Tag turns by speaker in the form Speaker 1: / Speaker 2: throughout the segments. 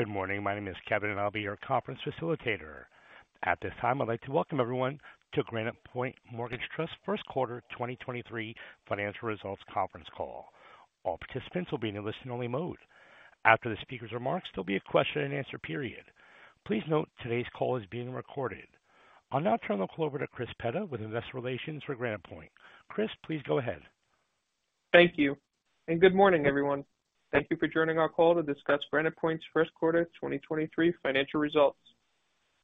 Speaker 1: Good morning. My name is Kevin, and I'll be your conference facilitator. At this time, I'd like to welcome everyone to Granite Point Mortgage Trust first quarter 2023 financial results conference call. All participants will be in a listen-only mode. After the speaker's remarks, there'll be a question and answer period. Please note today's call is being recorded. I'll now turn the call over to Chris Petta with investor relations for Granite Point. Chris, please go ahead.
Speaker 2: Thank you, and good morning, everyone. Thank you for joining our call to discuss Granite Point's first quarter 2023 financial results.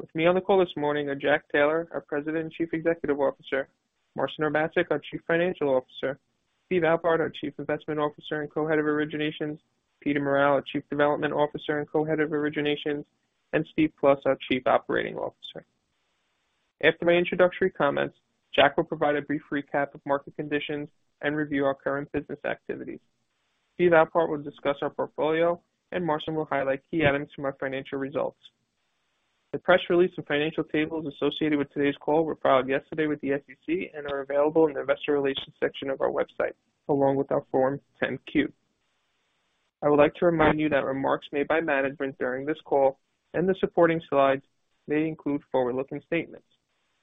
Speaker 2: With me on the call this morning are Jack Taylor, our President and Chief Executive Officer, Marcin Urbaszek, our Chief Financial Officer, Steve Alpart, our Chief Investment Officer and Co-Head of Originations, Peter Morale, our Chief Development Officer and Co-Head of Originations, and Steven Plust, our Chief Operating Officer. After my introductory comments, Jack will provide a brief recap of market conditions and review our current business activities. Steve Alpart will discuss our portfolio, and Marston will highlight key items from our financial results. The press release and financial tables associated with today's call were filed yesterday with the SEC and are available in the Investor Relations section of our website, along with our Form 10-Q. I would like to remind you that remarks made by management during this call and the supporting slides may include forward-looking statements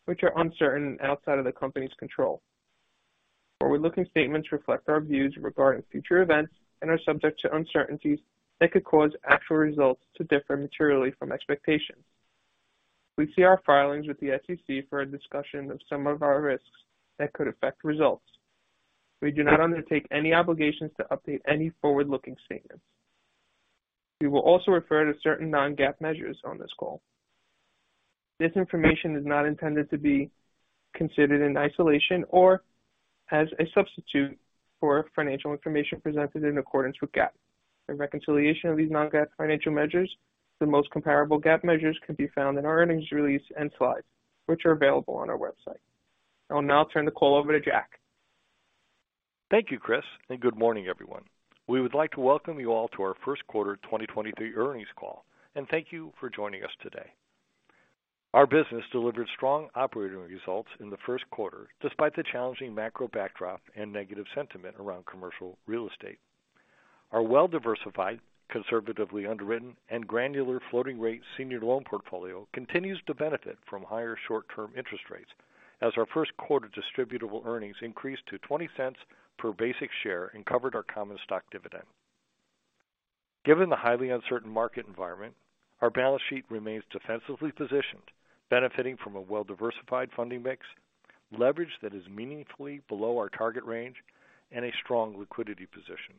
Speaker 2: which are uncertain and outside of the company's control. Forward-looking statements reflect our views regarding future events and are subject to uncertainties that could cause actual results to differ materially from expectations. We see our filings with the SEC for a discussion of some of our risks that could affect results. We do not undertake any obligations to update any forward-looking statements. We will also refer to certain non-GAAP measures on this call. This information is not intended to be considered in isolation or as a substitute for financial information presented in accordance with GAAP. A reconciliation of these non-GAAP financial measures to the most comparable GAAP measures can be found in our earnings release and slides, which are available on our website. I will now turn the call over to Jack.
Speaker 3: Thank you, Chris. Good morning, everyone. We would like to welcome you all to our first quarter 2023 earnings call, and thank you for joining us today. Our business delivered strong operating results in the first quarter, despite the challenging macro backdrop and negative sentiment around commercial real estate. Our well-diversified, conservatively underwritten, and granular floating rate senior loan portfolio continues to benefit from higher short-term interest rates as our first quarter Distributable Earnings increased to $0.20 per basic share and covered our common stock dividend. Given the highly uncertain market environment, our balance sheet remains defensively positioned, benefiting from a well-diversified funding mix, leverage that is meaningfully below our target range, and a strong liquidity position.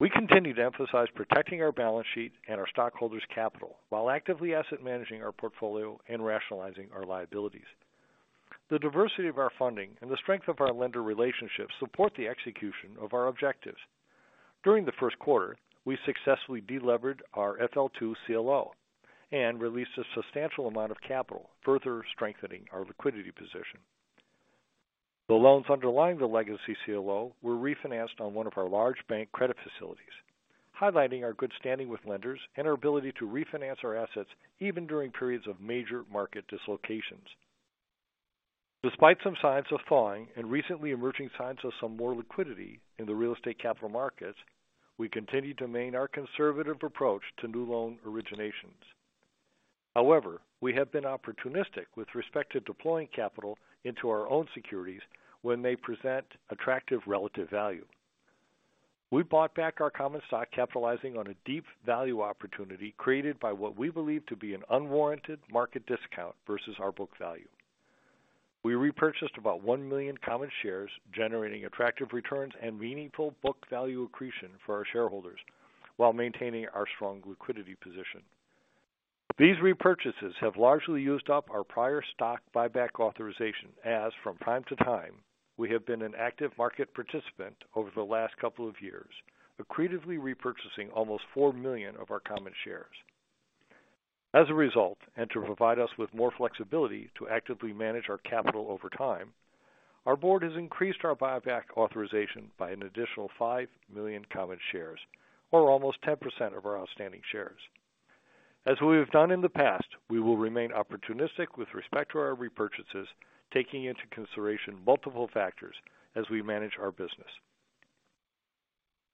Speaker 3: We continue to emphasize protecting our balance sheet and our stockholders' capital while actively asset managing our portfolio and rationalizing our liabilities. The diversity of our funding and the strength of our lender relationships support the execution of our objectives. During the first quarter, we successfully de-levered our FL2 CLO and released a substantial amount of capital, further strengthening our liquidity position. The loans underlying the legacy CLO were refinanced on one of our large bank credit facilities, highlighting our good standing with lenders and our ability to refinance our assets even during periods of major market dislocations. Despite some signs of thawing and recently emerging signs of some more liquidity in the real estate capital markets, we continue to maintain our conservative approach to new loan originations. However, we have been opportunistic with respect to deploying capital into our own securities when they present attractive relative value. We bought back our common stock, capitalizing on a deep value opportunity created by what we believe to be an unwarranted market discount versus our book value. We repurchased about 1 million common shares, generating attractive returns and meaningful book value accretion for our shareholders while maintaining our strong liquidity position. These repurchases have largely used up our prior stock buyback authorization as from time to time we have been an active market participant over the last couple of years, accretively repurchasing almost 4 million of our common shares. To provide us with more flexibility to actively manage our capital over time, our board has increased our buyback authorization by an additional 5 million common shares or almost 10% of our outstanding shares. As we have done in the past, we will remain opportunistic with respect to our repurchases, taking into consideration multiple factors as we manage our business.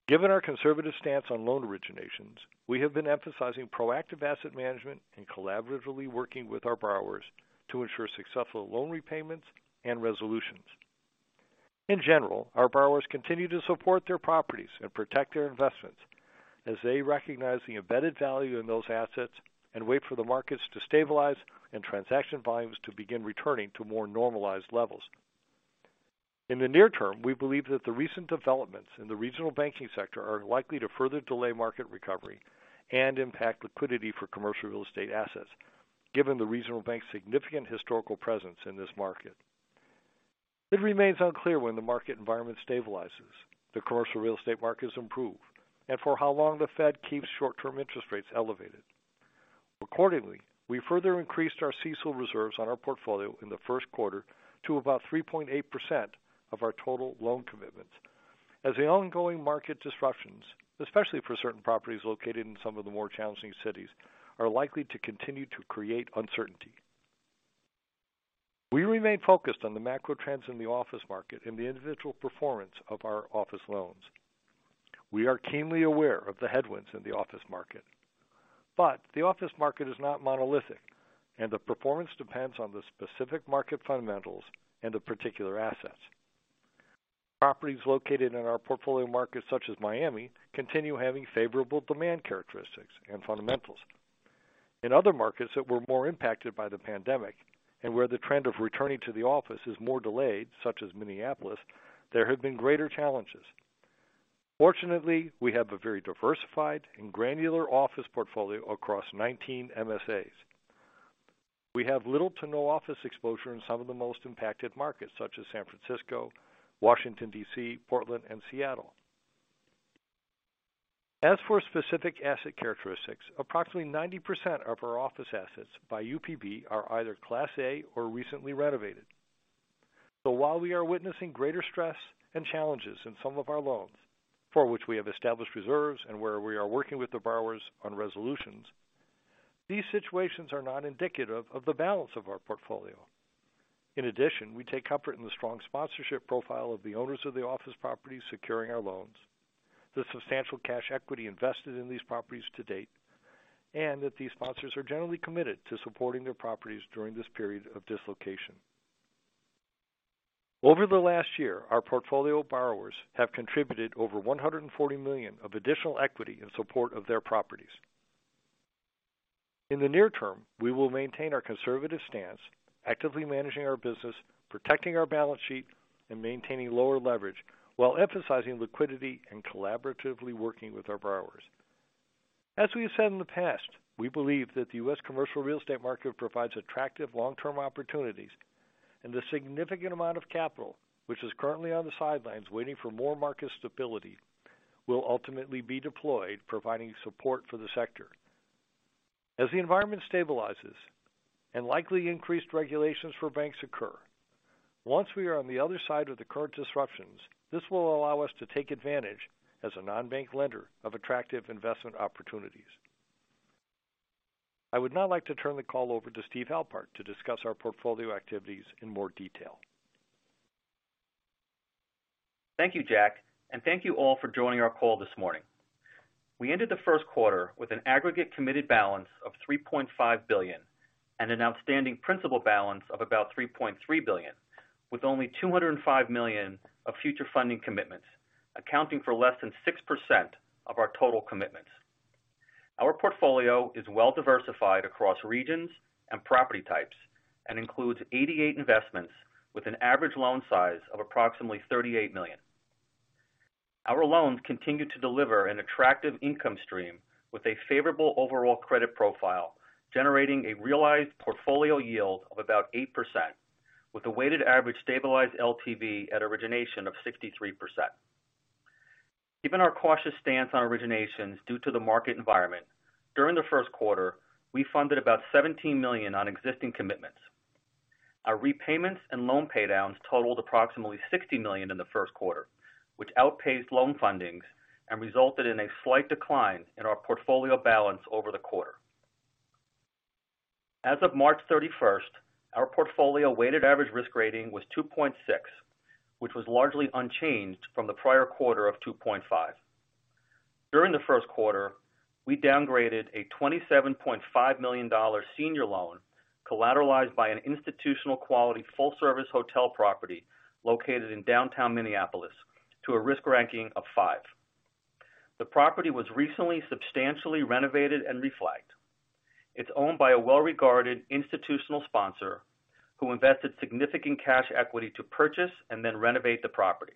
Speaker 3: Given our conservative stance on loan originations, we have been emphasizing proactive asset management and collaboratively working with our borrowers to ensure successful loan repayments and resolutions. In general, our borrowers continue to support their properties and protect their investments as they recognize the embedded value in those assets and wait for the markets to stabilize and transaction volumes to begin returning to more normalized levels. In the near term, we believe that the recent developments in the regional banking sector are likely to further delay market recovery and impact liquidity for commercial real estate assets given the regional bank's significant historical presence in this market. It remains unclear when the market environment stabilizes, the commercial real estate markets improve, and for how long the Fed keeps short-term interest rates elevated. Accordingly, we further increased our CECL reserves on our portfolio in the first quarter to about 3.8% of our total loan commitments as the ongoing market disruptions, especially for certain properties located in some of the more challenging cities, are likely to continue to create uncertainty. We remain focused on the macro trends in the office market and the individual performance of our office loans. We are keenly aware of the headwinds in the office market. The office market is not monolithic, and the performance depends on the specific market fundamentals and the particular assets. Properties located in our portfolio markets, such as Miami, continue having favorable demand characteristics and fundamentals. In other markets that were more impacted by the pandemic and where the trend of returning to the office is more delayed, such as Minneapolis, there have been greater challenges. Fortunately, we have a very diversified and granular office portfolio across 19 MSAs. We have little to no office exposure in some of the most impacted markets, such as San Francisco, Washington, D.C., Portland and Seattle. As for specific asset characteristics, approximately 90% of our office assets by UPB are either Class A or recently renovated. While we are witnessing greater stress and challenges in some of our loans for which we have established reserves and where we are working with the borrowers on resolutions, these situations are not indicative of the balance of our portfolio. In addition, we take comfort in the strong sponsorship profile of the owners of the office properties securing our loans, the substantial cash equity invested in these properties to date, and that these sponsors are generally committed to supporting their properties during this period of dislocation. Over the last year, our portfolio borrowers have contributed over $140 million of additional equity in support of their properties. In the near term, we will maintain our conservative stance, actively managing our business, protecting our balance sheet, and maintaining lower leverage while emphasizing liquidity and collaboratively working with our borrowers. As we have said in the past, we believe that the U.S. commercial real estate market provides attractive long-term opportunities and the significant amount of capital which is currently on the sidelines waiting for more market stability will ultimately be deployed providing support for the sector. As the environment stabilizes and likely increased regulations for banks occur, once we are on the other side of the current disruptions, this will allow us to take advantage as a non-bank lender of attractive investment opportunities. I would now like to turn the call over to Steve Alpart to discuss our portfolio activities in more detail.
Speaker 4: Thank you, Jack. Thank you all for joining our call this morning. We ended the first quarter with an aggregate committed balance of $3.5 billion and an outstanding principal balance of about $3.3 billion, with only $205 million of future funding commitments, accounting for less than 6% of our total commitments. Our portfolio is well diversified across regions and property types and includes 88 investments with an average loan size of approximately $38 million. Our loans continue to deliver an attractive income stream with a favorable overall credit profile, generating a realized portfolio yield of about 8%, with a weighted average stabilized LTV at origination of 63%. Given our cautious stance on originations due to the market environment, during the first quarter, we funded about $17 million on existing commitments. Our repayments and loan paydowns totaled approximately $60 million in the first quarter, which outpaced loan fundings and resulted in a slight decline in our portfolio balance over the quarter. As of March 31st, our portfolio weighted average risk rating was 2.6, which was largely unchanged from the prior quarter of 2.5. During the first quarter, we downgraded a $27.5 million senior loan collateralized by an institutional quality full service hotel property located in downtown Minneapolis to a risk ranking of five. The property was recently substantially renovated and reflagged. It's owned by a well-regarded institutional sponsor who invested significant cash equity to purchase and then renovate the property.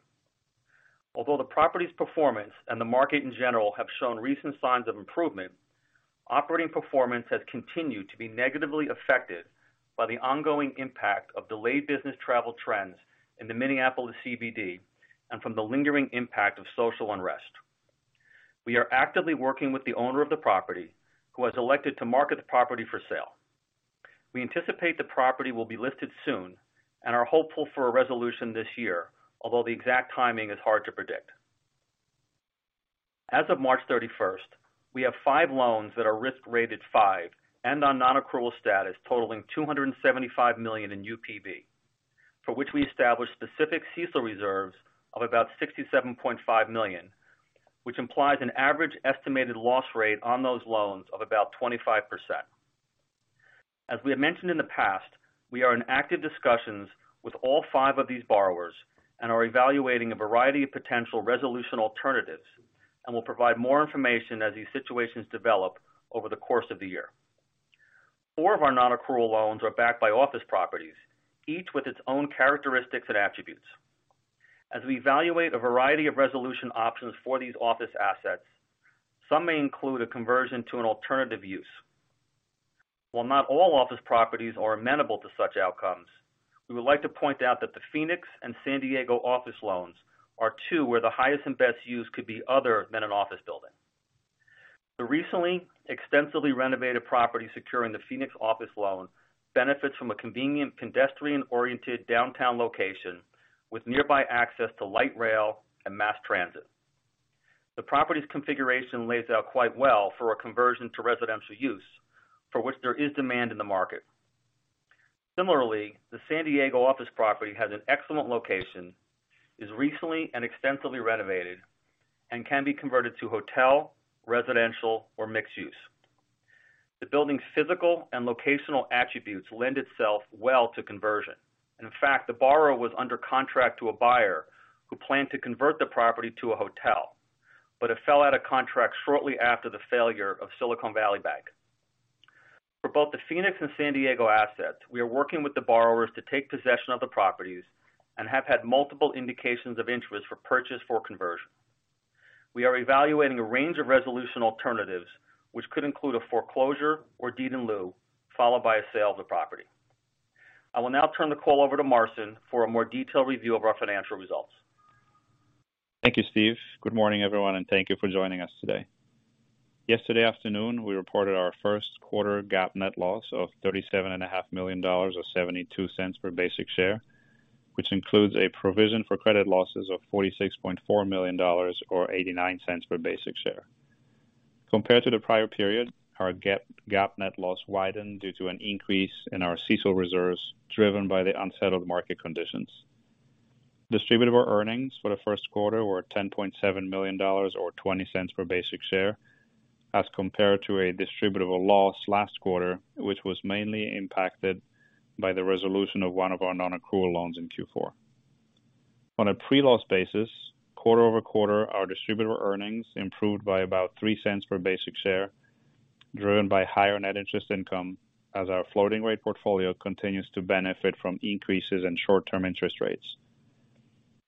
Speaker 4: Although the property's performance and the market in general have shown recent signs of improvement, operating performance has continued to be negatively affected by the ongoing impact of delayed business travel trends in the Minneapolis CBD and from the lingering impact of social unrest. We are actively working with the owner of the property who has elected to market the property for sale. We anticipate the property will be listed soon and are hopeful for a resolution this year, although the exact timing is hard to predict. As of March 31st, we have five loans that are risk rated five and on non-accrual status totaling $275 million in UPB, for which we established specific CECL reserves of about $67.5 million, which implies an average estimated loss rate on those loans of about 25%. As we have mentioned in the past, we are in active discussions with all five of these borrowers and are evaluating a variety of potential resolution alternatives and will provide more information as these situations develop over the course of the year. Four of our non-accrual loans are backed by office properties, each with its own characteristics and attributes. As we evaluate a variety of resolution options for these office assets, some may include a conversion to an alternative use. While not all office properties are amenable to such outcomes, we would like to point out that the Phoenix and San Diego office loans are two where the highest and best use could be other than an office building. The recently extensively renovated property securing the Phoenix office loan benefits from a convenient pedestrian-oriented downtown location with nearby access to light rail and mass transit. The property's configuration lays out quite well for a conversion to residential use, for which there is demand in the market. Similarly, the San Diego office property has an excellent location, is recently and extensively renovated, and can be converted to hotel, residential, or mixed use. The building's physical and locational attributes lend itself well to conversion. In fact, the borrower was under contract to a buyer who planned to convert the property to a hotel, but it fell out of contract shortly after the failure of Silicon Valley Bank. For both the Phoenix and San Diego assets, we are working with the borrowers to take possession of the properties and have had multiple indications of interest for purchase for conversion. We are evaluating a range of resolution alternatives, which could include a foreclosure or deed in lieu, followed by a sale of the property. I will now turn the call over to Marcin Urbaszek for a more detailed review of our financial results.
Speaker 5: Thank you, Steve. Good morning, everyone, and thank you for joining us today. Yesterday afternoon, we reported our first quarter GAAP net loss of thirty-seven and a half million dollars or $0.72 per basic share, which includes a provision for credit losses of $46.4 million or $0.89 per basic share. Compared to the prior period, our GAAP net loss widened due to an increase in our CECL reserves, driven by the unsettled market conditions. Distributable Earnings for the first quarter were $10.7 million or $0.20 per basic share as compared to a distributable loss last quarter, which was mainly impacted by the resolution of one of our non-accrual loans in Q4. On a pre-loss basis, quarter-over-quarter, our Distributable Earnings improved by about $0.03 per basic share, driven by higher net interest income as our floating rate portfolio continues to benefit from increases in short-term interest rates.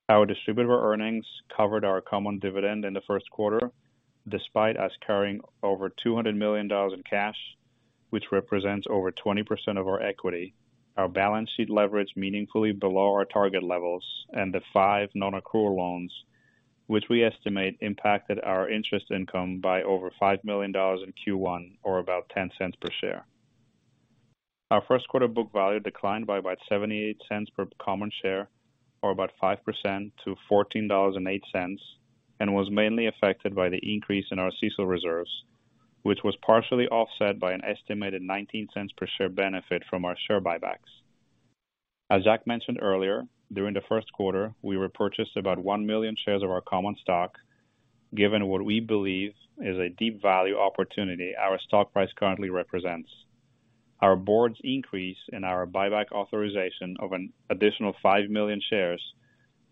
Speaker 5: Our Distributable Earnings covered our common dividend in the first quarter, despite us carrying over $200 million in cash, which represents over 20% of our equity, our balance sheet leverage meaningfully below our target levels, and the five non-accrual loans, which we estimate impacted our interest income by over $5 million in Q1 or about $0.10 per share. Our first quarter book value declined by about $0.78 per common share or about 5% to $14.08, and was mainly affected by the increase in our CECL reserves, which was partially offset by an estimated $0.19 per share benefit from our share buybacks. As Jack mentioned earlier, during the first quarter, we repurchased about 1 million shares of our common stock, given what we believe is a deep value opportunity our stock price currently represents. Our board's increase in our buyback authorization of an additional 5 million shares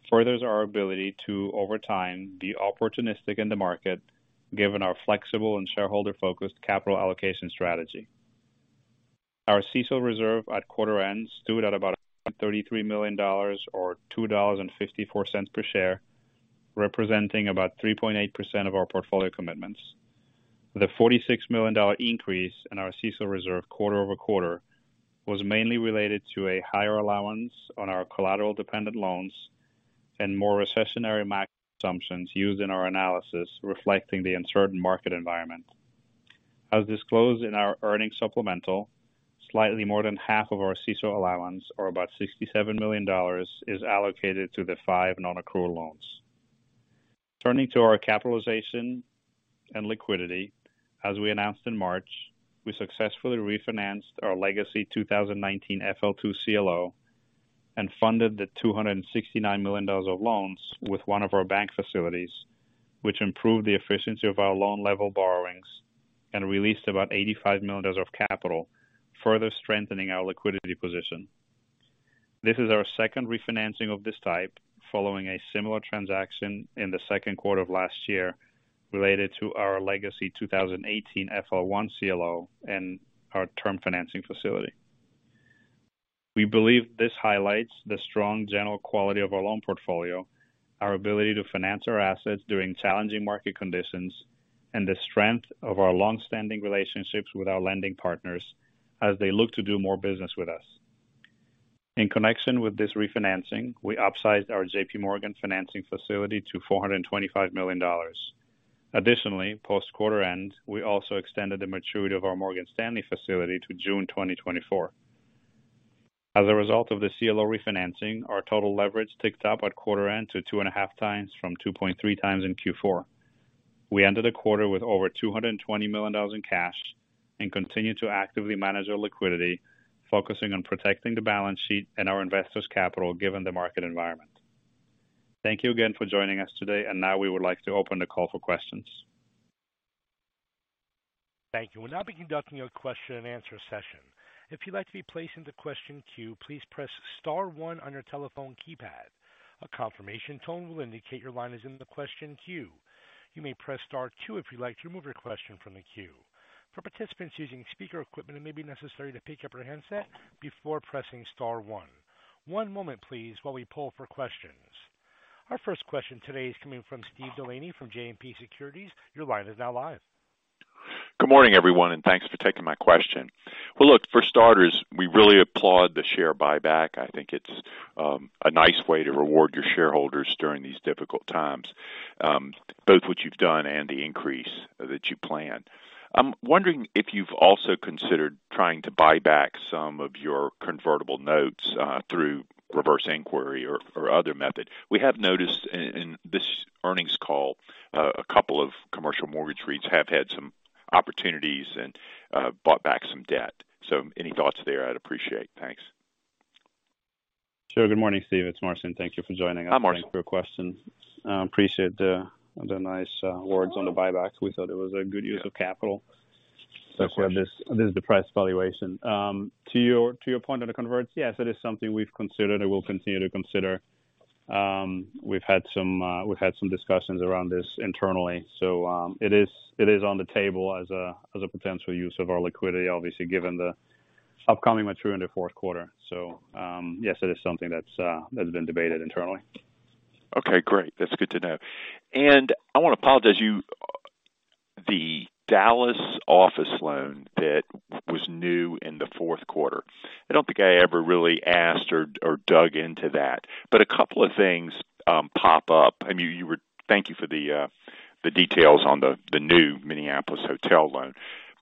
Speaker 5: furthers our ability to over time be opportunistic in the market given our flexible and shareholder-focused capital allocation strategy. Our CECL reserve at quarter end stood at about $33 million or $2.54 per share, representing about 3.8% of our portfolio commitments. The $46 million increase in our CECL reserve quarter-over-quarter was mainly related to a higher allowance on our collateral-dependent loans and more recessionary max assumptions used in our analysis reflecting the uncertain market environment. As disclosed in our earnings supplemental, slightly more than half of our CECL allowance or about $67 million is allocated to the five non-accrual loans. Turning to our capitalization and liquidity, as we announced in March, we successfully refinanced our legacy 2019 FL2 CLO and funded the $269 million of loans with one of our bank facilities, which improved the efficiency of our loan level borrowings and released about $85 million of capital, further strengthening our liquidity position. This is our second refinancing of this type following a similar transaction in the second quarter of last year related to our legacy 2018 FL1 CLO and our term financing facility. We believe this highlights the strong general quality of our loan portfolio, our ability to finance our assets during challenging market conditions, and the strength of our long-standing relationships with our lending partners as they look to do more business with us. In connection with this refinancing, we upsized our JPMorgan financing facility to $425 million. Additionally, post quarter end, we also extended the maturity of our Morgan Stanley facility to June 2024. As a result of the CLO refinancing, our total leverage ticked up at quarter end to 2.5 times from 2.3 times in Q4. We ended the quarter with over $220 million in cash and continue to actively manage our liquidity, focusing on protecting the balance sheet and our investors' capital given the market environment. Thank you again for joining us today. Now we would like to open the call for questions.
Speaker 1: Thank you. We'll now be conducting a question and answer session. If you'd like to be placed into question queue, please press star one on your telephone keypad. A confirmation tone will indicate your line is in the question queue. You may press star two if you'd like to remove your question from the queue. For participants using speaker equipment, it may be necessary to pick up your handset before pressing star one. One moment, please, while we pull for questions. Our first question today is coming from Steve DeLaney from JMP Securities. Your line is now live.
Speaker 6: Good morning, everyone, and thanks for taking my question. Well, look, for starters, we really applaud the share buyback. I think it's a nice way to reward your shareholders during these difficult times, both what you've done and the increase that you plan. I'm wondering if you've also considered trying to buy back some of your convertible notes, through reverse inquiry or other method. We have noticed in this earnings call, a couple of commercial mortgage REITs have had some opportunities and bought back some debt. Any thoughts there, I'd appreciate. Thanks.
Speaker 5: Sure. Good morning, Steve. It's Marcin Urbaszek. Thank you for joining us.
Speaker 6: Hi, Marcin.
Speaker 5: Thanks for your question. I appreciate the nice words on the buyback. We thought it was a good use of capital, especially this depressed valuation. To your point on the converts, yes, it is something we've considered and will continue to consider. We've had some discussions around this internally, so, it is on the table as a potential use of our liquidity, obviously, given the upcoming maturity in the fourth quarter. Yes, it is something that's been debated internally.
Speaker 6: Okay, great. That's good to know. I wanna apologize, the Dallas office loan that was new in the fourth quarter, I don't think I ever really asked or dug into that. A couple of things pop up. I mean, thank you for the details on the new Minneapolis hotel loan.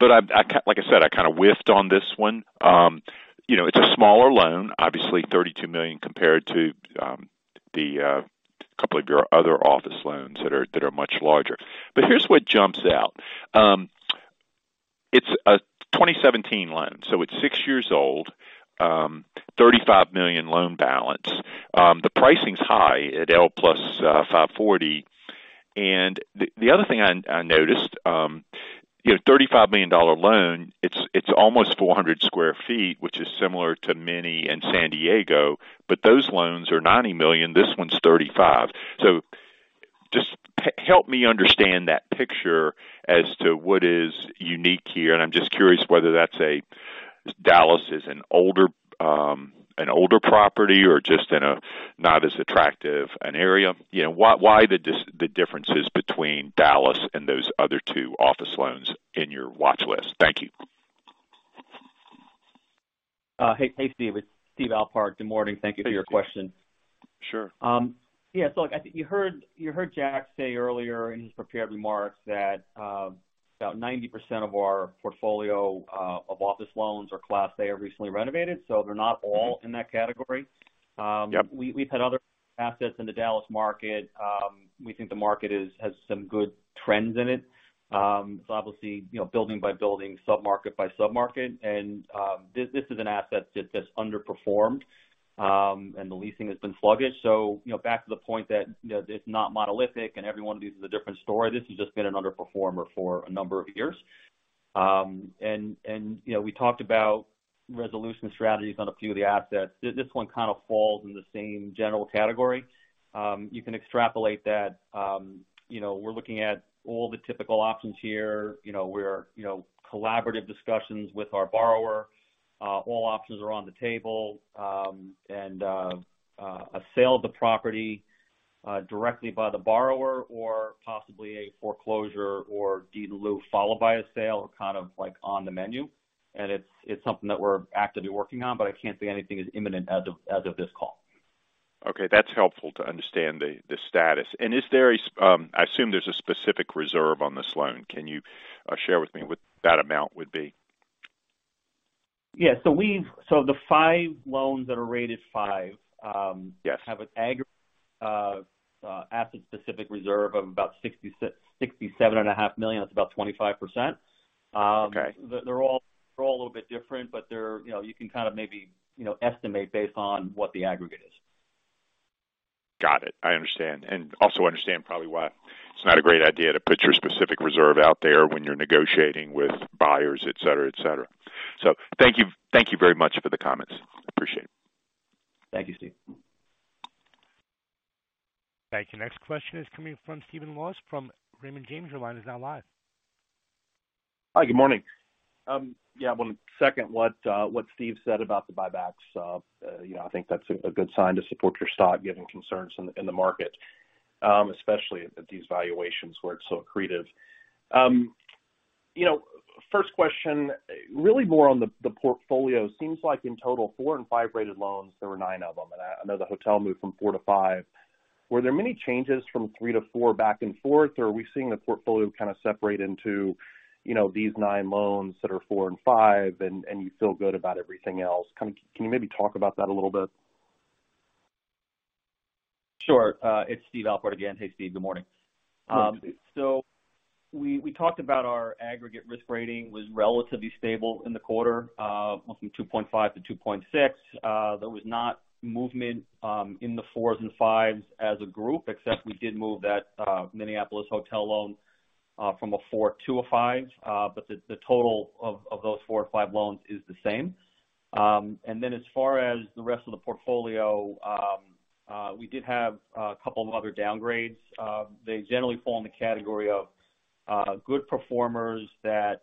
Speaker 6: I, like I said, I kinda whiffed on this one. You know, it's a smaller loan, obviously $32 million compared to the couple of your other office loans that are much larger. Here's what jumps out. It's a 2017 loan, so it's 6 years old, $35 million loan balance. The pricing's high at L plus 540. The other thing I noticed, you know, $35 million loan, it's almost 400 sq ft, which is similar to Mini and San Diego, but those loans are $90 million, this one's $35 million. Just help me understand that picture as to what is unique here. I'm just curious whether that's Dallas is an older, an older property or just in a not as attractive an area. You know, why the differences between Dallas and those other two office loans in your watch list? Thank you.
Speaker 4: hey Steve. It's Steve Alpart. Good morning. Thank you for your question.
Speaker 6: Sure.
Speaker 4: Yeah. I think you heard Jack say earlier in his prepared remarks that, about 90% of our portfolio of office loans are Class A or recently renovated, so they're not all in that category.
Speaker 6: Yep.
Speaker 4: We've had other assets in the Dallas market. We think the market has some good trends in it. Obviously, you know, building by building, sub-market by sub-market. This is an asset that's underperformed, and the leasing has been sluggish. You know, back to the point that, you know, it's not monolithic and every one of these is a different story. This has just been an underperformer for a number of years. And, you know, we talked about resolution strategies on a few of the assets. This one kind of falls in the same general category. You can extrapolate that. You know, we're looking at all the typical options here. You know, we're, you know, collaborative discussions with our borrower. All options are on the table. A sale of the property directly by the borrower or possibly a foreclosure or deed in lieu followed by a sale are kind of, like, on the menu. It's something that we're actively working on, but I can't say anything is imminent as of this call.
Speaker 6: Okay. That's helpful to understand the status. Is there a specific reserve on this loan? Can you share with me what that amount would be?
Speaker 4: Yeah. The five loans that are rated five-
Speaker 6: Yes.
Speaker 4: have an aggregate asset-specific reserve of about $67.5 million. That's about 25%.
Speaker 6: Okay.
Speaker 4: They're all a little bit different, you know, you can kind of maybe, you know, estimate based on what the aggregate is.
Speaker 6: Got it. I understand. Also understand probably why it's not a great idea to put your specific reserve out there when you're negotiating with buyers, et cetera, et cetera. Thank you. Thank you very much for the comments. Appreciate it.
Speaker 4: Thank you, Steve.
Speaker 1: Thank you. Next question is coming from Stephen Laws from Raymond James. Your line is now live.
Speaker 7: Hi, good morning. Yeah, I wanna second what Steve said about the buybacks. You know, I think that's a good sign to support your stock given concerns in the market, especially at these valuations where it's so accretive. You know, first question, really more on the portfolio. Seems like in total 4 and 5-rated loans, there were nine of them, and I know the hotel moved from 4-5. Were there many changes from 3-4 back and forth, or are we seeing the portfolio kind of separate into, you know, these nine loans that are 4 and 5 and you feel good about everything else? Can you maybe talk about that a little bit?
Speaker 4: Sure. It's Steve Alpart again. Hey, Steve. Good morning. We talked about our aggregate risk rating was relatively stable in the quarter, went from 2.-2.6. There was not movement in the 4s and 5s as a group, except we did move that Minneapolis hotel loan from a 4 to a 5. The total of those 4 or 5 loans is the same. As far as the rest of the portfolio, we did have a couple of other downgrades. They generally fall in the category of good performers that,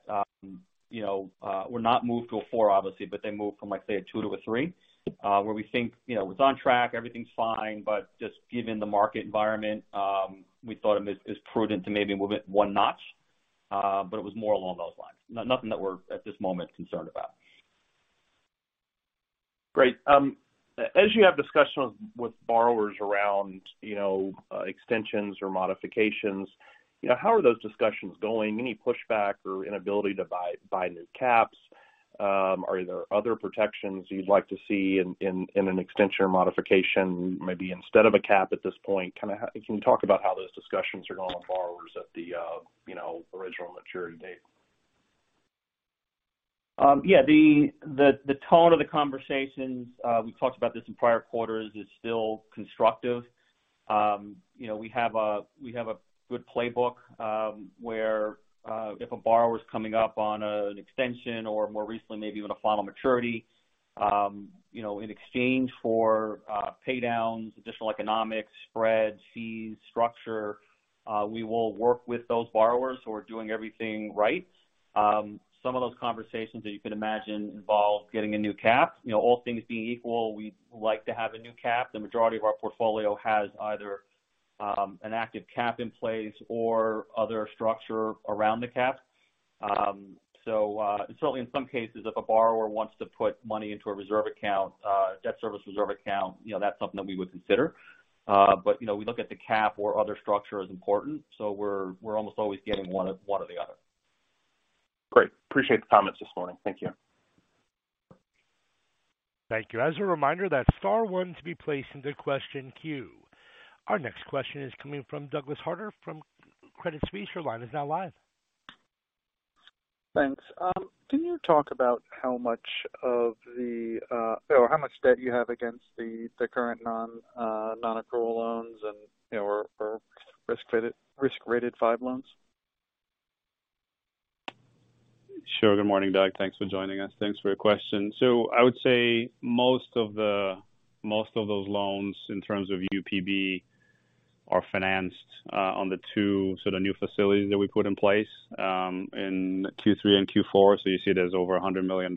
Speaker 4: you know, were not moved to a four, obviously, but they moved from, like, say, a 2 to a 3, where we think, you know, it's on track, everything's fine, but just given the market environment, we thought it was, it's prudent to maybe move it 1 notch. It was more along those lines. Nothing that we're at this moment concerned about.
Speaker 7: Great. As you have discussions with borrowers around, you know, extensions or modifications, you know, how are those discussions going? Any pushback or inability to buy new caps? Are there other protections you'd like to see in an extension or modification maybe instead of a cap at this point? Kinda how can you talk about how those discussions are going with borrowers at the, you know, original maturity date?
Speaker 4: Yeah, the tone of the conversations, we talked about this in prior quarters, is still constructive. You know, we have a good playbook, where, if a borrower is coming up on an extension or more recently, maybe even a final maturity, you know, in exchange for pay downs, additional economics, spreads, fees, structure, we will work with those borrowers who are doing everything right. Some of those conversations that you could imagine involve getting a new cap. You know, all things being equal, we'd like to have a new cap. The majority of our portfolio has either an active cap in place or other structure around the cap. Certainly in some cases if a borrower wants to put money into a reserve account, debt service reserve account, you know, that's something that we would consider. You know, we look at the cap or other structure as important, so we're almost always getting one of, one or the other.
Speaker 7: Great. Appreciate the comments this morning. Thank you.
Speaker 1: Thank you. As a reminder, that's star one to be placed into question queue. Our next question is coming from Douglas Harter from Credit Suisse. Your line is now live.
Speaker 8: Thanks. Can you talk about how much debt you have against the current non-accrual loans and or risk-rated five loans?
Speaker 5: Sure. Good morning, Doug. Thanks for joining us. Thanks for your question. I would say most of those loans in terms of UPB are financed on the two sort of new facilities that we put in place in Q3 and Q4. You see there's over $100 million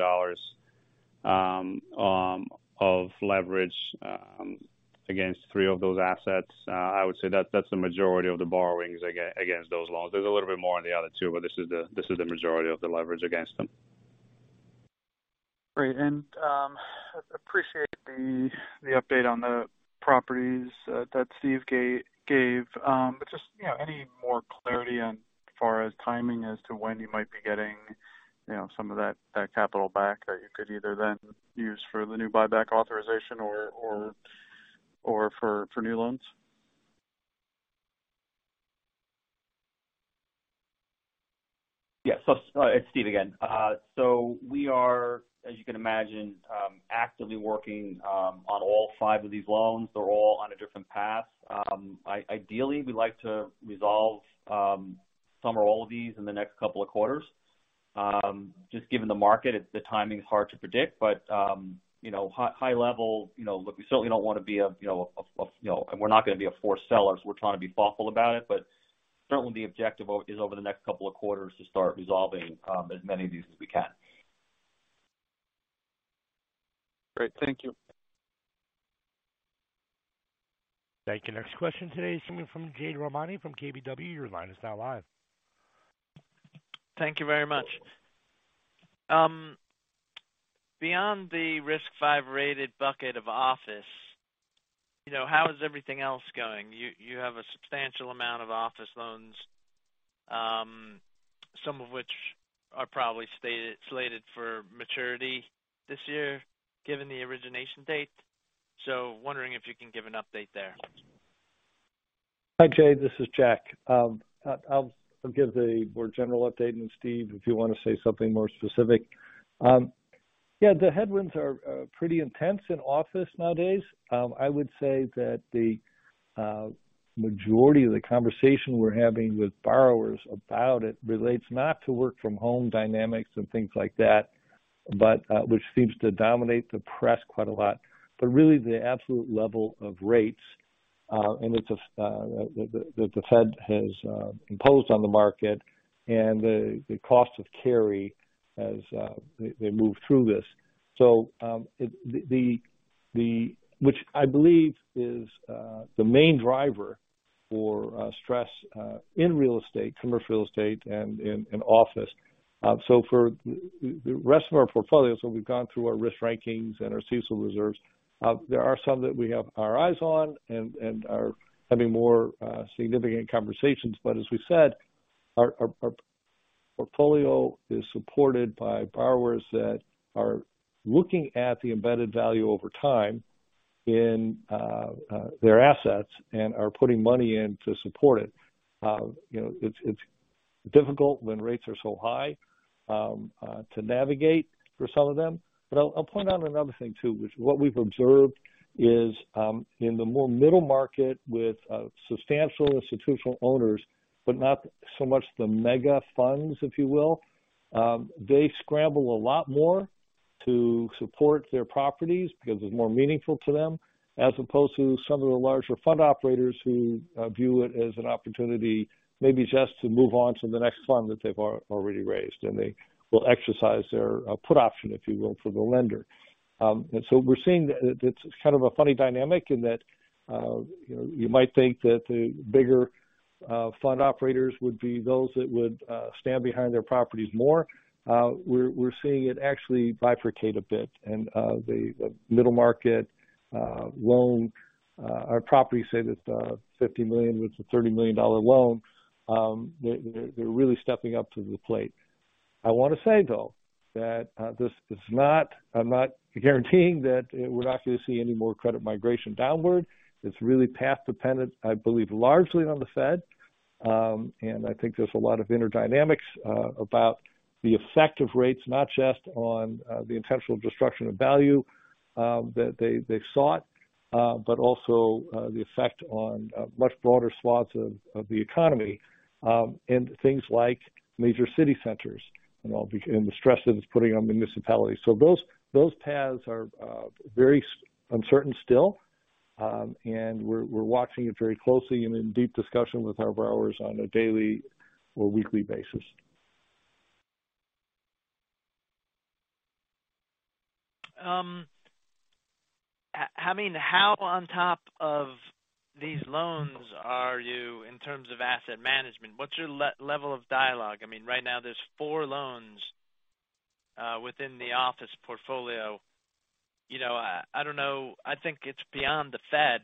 Speaker 5: of leverage against three of those assets. I would say that's the majority of the borrowings against those loans. There's a little bit more on the other two, but this is the majority of the leverage against them.
Speaker 8: Great. Appreciate the update on the properties that Steve gave. Just, you know, any more clarity on as far as timing as to when you might be getting, you know, some of that capital back that you could either then use for the new buyback authorization or for new loans?
Speaker 4: It's Steve again. We are, as you can imagine, actively working on all five of these loans. They're all on a different path. Ideally, we like to resolve some or all of these in the next couple of quarters. Given the market, it's the timing is hard to predict, but, you know, high, high level, you know, look, we certainly don't wanna be a, you know, a, you know, and we're not gonna be a forced seller, so we're trying to be thoughtful about it. Certainly the objective is over the next couple of quarters to start resolving as many of these as we can.
Speaker 8: Great. Thank you.
Speaker 1: Thank you. Next question today is coming from Jade Rahmani from KBW. Your line is now live.
Speaker 9: Thank you very much. beyond the risk five-rated bucket of office, you know, how is everything else going? You have a substantial amount of office loans, some of which are probably slated for maturity this year, given the origination date. Wondering if you can give an update there?
Speaker 3: Hi, Jade. This is Jack. I'll give the more general update, and Steve, if you wanna say something more specific. The headwinds are pretty intense in office nowadays. I would say that the majority of the conversation we're having with borrowers about it relates not to work from home dynamics and things like that, but which seems to dominate the press quite a lot. Really the absolute level of rates, and it's that the Fed has imposed on the market and the cost of carry as they move through this. Which I believe is the main driver for stress in real estate, commercial real estate and in office. For the rest of our portfolio, so we've gone through our risk rankings and our CECL reserves. There are some that we have our eyes on and are having more, significant conversations. As we said, our portfolio is supported by borrowers that are looking at the embedded value over time in, their assets and are putting money in to support it. You know, it's difficult when rates are so high, to navigate for some of them. I'll point out another thing too, which what we've observed is, in the more middle market with substantial institutional owners, but not so much the mega funds, if you will, they scramble a lot more to support their properties because it's more meaningful to them, as opposed to some of the larger fund operators who view it as an opportunity maybe just to move on to the next fund that they've already raised, and they will exercise their put option, if you will, for the lender. We're seeing it's kind of a funny dynamic in that, you know, you might think that the bigger fund operators would be those that would stand behind their properties more. We're seeing it actually bifurcate a bit. The middle market loan, our property say that, $50 million with a $30 million loan, they're really stepping up to the plate. I wanna say, though, that I'm not guaranteeing that we're not gonna see any more credit migration downward. It's really path dependent, I believe, largely on the Fed. I think there's a lot of inner dynamics about the effect of rates, not just on the intentional destruction of value that they sought, but also the effect on a much broader swaths of the economy, and things like major city centers and all, and the stress that it's putting on municipalities. Those paths are very uncertain still. We're watching it very closely and in deep discussion with our borrowers on a daily or weekly basis.
Speaker 9: Having how on top of these loans are you in terms of asset management? What's your level of dialogue? I mean, right now there's four loans within the office portfolio. You know, I don't know. I think it's beyond the Fed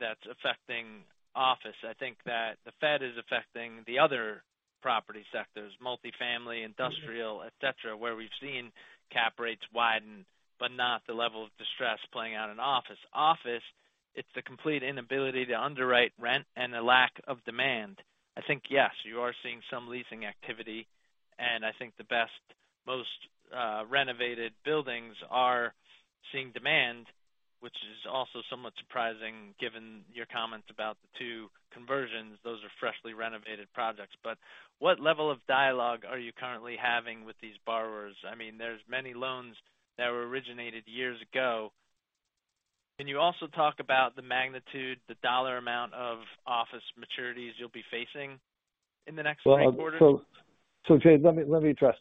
Speaker 9: that's affecting office. I think that the Fed is affecting the other property sectors, multifamily, industrial, et cetera, where we've seen cap rates widen, but not the level of distress playing out in office. Office, it's the complete inability to underwrite rent and the lack of demand. I think, yes, you are seeing some leasing activity, and I think the best, most renovated buildings are seeing demand, which is also somewhat surprising given your comments about the two conversions. Those are freshly renovated projects. What level of dialogue are you currently having with these borrowers? I mean, there's many loans that were originated years ago. Can you also talk about the magnitude, the dollar amount of office maturities you'll be facing in the next nine quarters?
Speaker 3: James, let me address.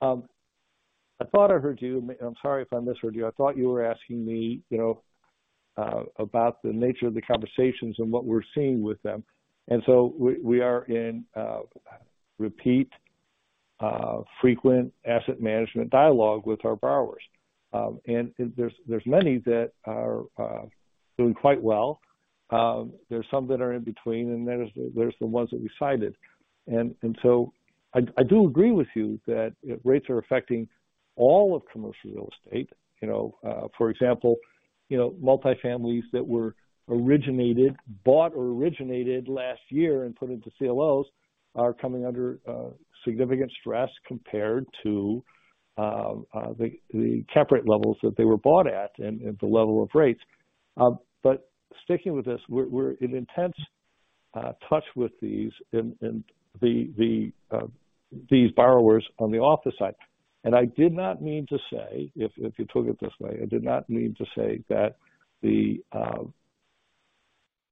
Speaker 3: I thought I heard you, I'm sorry if I misheard you. I thought you were asking me, you know, about the nature of the conversations and what we're seeing with them. We are in repeat, frequent asset management dialogue with our borrowers. And there's many that are doing quite well. There's some that are in between, and there's the ones that we cited. I do agree with you that rates are affecting all of commercial real estate. You know, for example, you know, multifamilies that were originated, bought or originated last year and put into CLOs are coming under significant stress compared to the cap rate levels that they were bought at and the level of rates. Sticking with this, we're in intense touch with these and the these borrowers on the office side. I did not mean to say, if you took it this way, I did not mean to say that the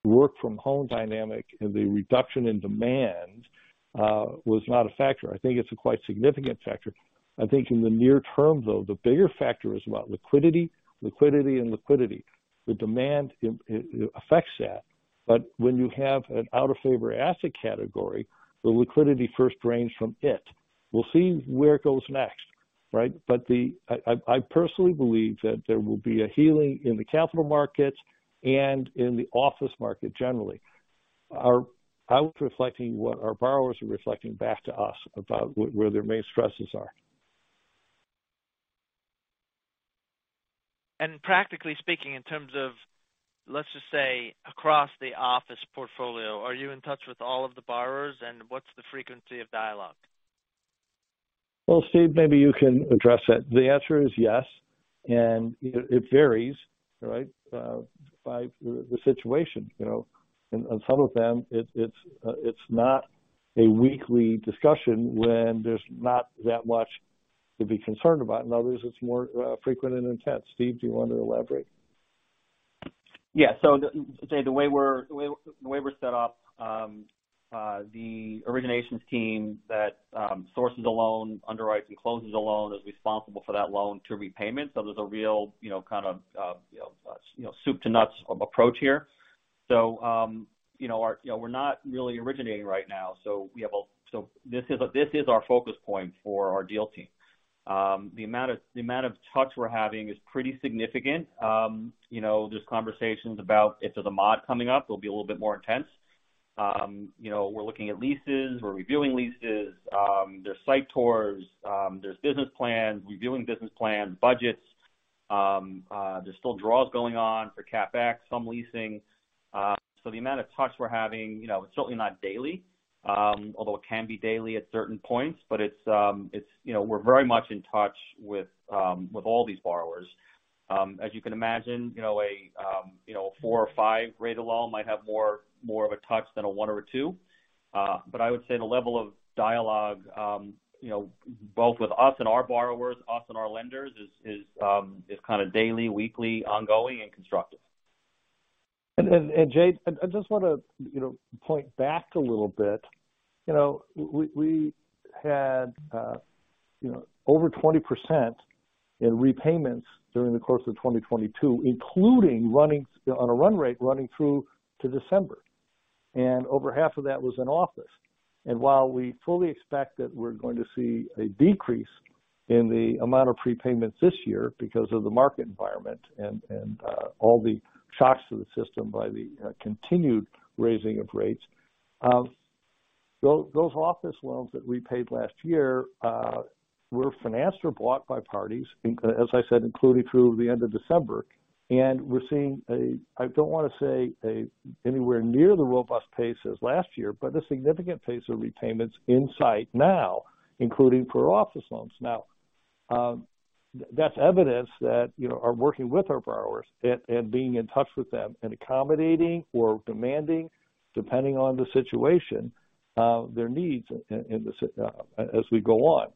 Speaker 3: work from home dynamic and the reduction in demand was not a factor. I think it's a quite significant factor. I think in the near term, though, the bigger factor is about liquidity, and liquidity. The demand affects that. When you have an out-of-favor asset category, the liquidity first drains from it. We'll see where it goes next, right? I personally believe that there will be a healing in the capital markets and in the office market generally, are out reflecting what our borrowers are reflecting back to us about where their main stresses are.
Speaker 9: Practically speaking, in terms of, let's just say, across the office portfolio, are you in touch with all of the borrowers, and what's the frequency of dialogue?
Speaker 3: Well, Steve, maybe you can address that. The answer is yes, and it varies, right, by the situation, you know. On some of them, it's not a weekly discussion when there's not that much to be concerned about. In others, it's more, frequent and intense. Steve, do you want to elaborate?
Speaker 4: Yeah. Dave, the way we're set up, the originations team that sources a loan, underwrites, and closes a loan is responsible for that loan to repayment. There's a real, you know, kind of soup to nuts approach here. You know, we're not really originating right now, so this is our focus point for our deal team. The amount of touch we're having is pretty significant. You know, there's conversations about if there's a mod coming up, it'll be a little bit more intense. You know, we're looking at leases, we're reviewing leases, there's site tours, there's business plans, reviewing business plans, budgets, there's still draws going on for CapEx, some leasing. The amount of touch we're having, you know, it's certainly not daily, although it can be daily at certain points, but it's, you know, we're very much in touch with all these borrowers. As you can imagine, you know, a, you know, a 4 or 5 rate of loan might have more of a touch than a one or two. I would say the level of dialogue, you know, both with us and our borrowers, us and our lenders, is kinda daily, weekly, ongoing and constructive.
Speaker 3: Jade, I just wanna, you know, point back a little bit. You know, we had, you know, over 20% in repayments during the course of 2022, including on a run rate running through to December. Over half of that was in office. While we fully expect that we're going to see a decrease in the amount of prepayments this year because of the market environment and all the shocks to the system by the continued raising of rates. Those office loans that we paid last year, were financed or blocked by parties, as I said, including through the end of December. We're seeing I don't wanna say anywhere near the robust pace as last year, but a significant pace of retainments in sight now, including for office loans. That's evidence that, you know, are working with our borrowers and being in touch with them and accommodating or demanding, depending on the situation, their needs in the system as we go on.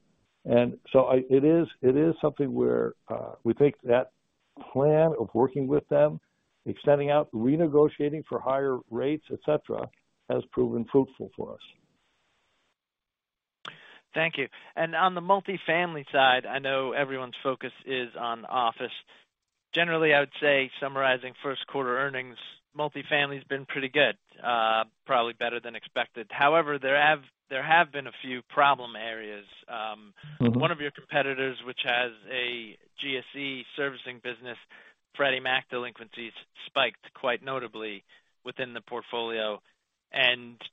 Speaker 3: It is something where we think that plan of working with them, extending out, renegotiating for higher rates, et cetera, has proven fruitful for us.
Speaker 9: Thank you. On the multifamily side, I know everyone's focus is on office. Generally, I would say summarizing first quarter earnings, multifamily has been pretty good, probably better than expected. However, there have been a few problem areas.
Speaker 3: Mm-hmm.
Speaker 9: One of your competitors, which has a GSE servicing business, Freddie Mac delinquencies spiked quite notably within the portfolio.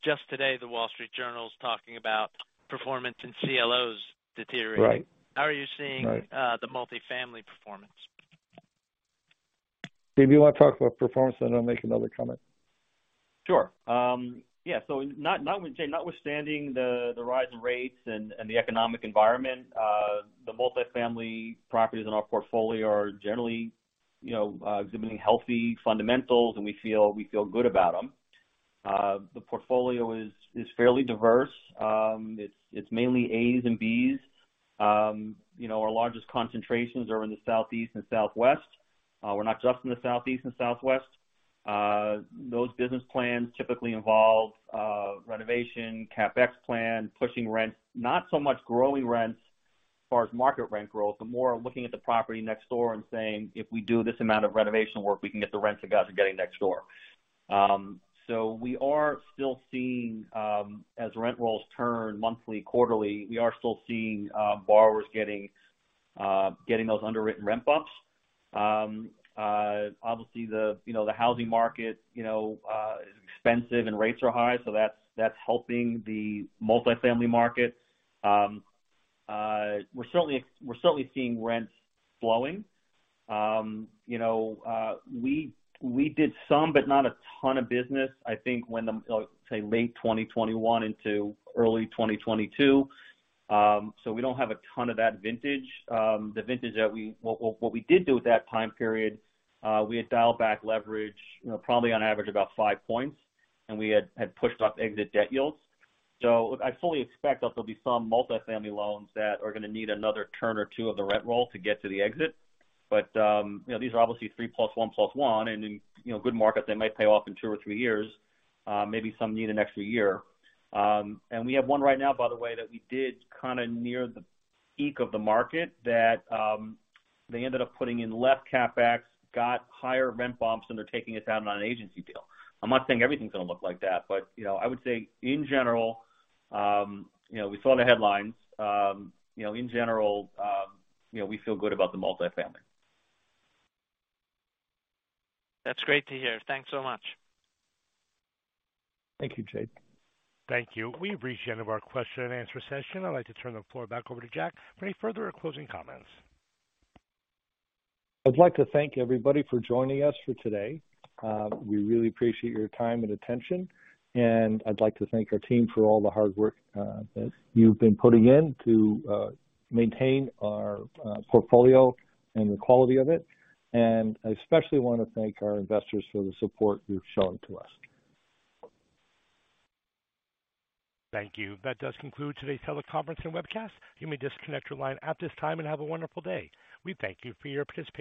Speaker 9: Just today, The Wall Street Journal is talking about performance and CLOs deteriorating.
Speaker 3: Right.
Speaker 9: How are you seeing?
Speaker 3: Right.
Speaker 9: the multifamily performance?
Speaker 3: Steve, do you wanna talk about performance, and then I'll make another comment.
Speaker 4: Sure. Yeah. Not with Jade. Notwithstanding the rise in rates and the economic environment, the multifamily properties in our portfolio are generally, you know, exhibiting healthy fundamentals, and we feel good about them. The portfolio is fairly diverse. It's mainly As and Bs. You know, our largest concentrations are in the southeast and southwest. We're not just in the southeast and southwest. Those business plans typically involve renovation, CapEx plan, pushing rents, not so much growing rents as far as market rent growth, but more looking at the property next door and saying, "If we do this amount of renovation work, we can get the rents the guys are getting next door." We are still seeing, as rent rolls turn monthly, quarterly, we are still seeing borrowers getting those underwritten rent bumps. Obviously the, you know, the housing market, you know, is expensive and rates are high, so that's helping the multifamily market. We're certainly seeing rents flowing. You know, we did some but not a ton of business, I think when the say, late 2021 into early 2022. We don't have a ton of that vintage. The vintage that we what we did do with that time period, we had dialed back leverage, you know, probably on average about five points, and we had pushed up exit debt yields. I fully expect that there'll be some multifamily loans that are gonna need another turn or two of the rent roll to get to the exit. These are obviously 3 + 1 + 1, and in, you know, good market, they might pay off in two or three years. Maybe some need an extra year. And we have one right now, by the way, that we did kinda near the peak of the market that they ended up putting in less CapEx, got higher rent bumps, and they're taking us out on an agency deal. I'm not saying everything's gonna look like that, but, you know, I would say in general, you know, we saw the headlines. You know, in general, you know, we feel good about the multifamily.
Speaker 9: That's great to hear. Thanks so much.
Speaker 3: Thank you, Jade.
Speaker 1: Thank you. We've reached the end of our question and answer session. I'd like to turn the floor back over to Jack for any further or closing comments.
Speaker 3: I'd like to thank everybody for joining us for today. We really appreciate your time and attention. I'd like to thank our team for all the hard work that you've been putting in to maintain our portfolio and the quality of it. I especially wanna thank our investors for the support you've shown to us.
Speaker 1: Thank you. That does conclude today's teleconference and webcast. You may disconnect your line at this time and have a wonderful day. We thank you for your participation.